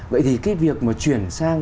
vậy thì cái việc mà chuyển sang